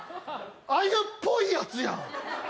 あゆっぽいやつやん。